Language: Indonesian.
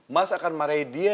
mas akan marahi dia